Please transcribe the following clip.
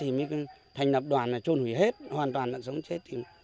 nếu lợn chết thì thành lập đoàn là trôn hủy hết hoàn toàn lợn sống chết